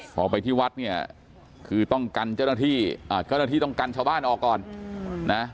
พอไปที่วัดเนี่ยคือต้องกันเจ้าหน้าที่เจ้าหน้าที่ต้องกันชาวบ้านออกก่อนนะ